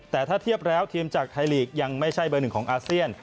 แต่ถ้าเทียบแล้วทีมจากไทยลีกยังไม่ใช่เบอร์หนึ่งของอาเซียน